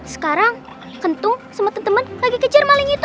sekarang kentung sama temen temen lagi kejar maling itu